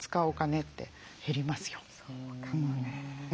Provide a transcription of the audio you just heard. そうかもね。